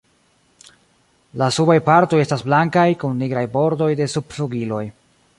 La subaj partoj estas blankaj, kun nigraj bordoj de subflugiloj.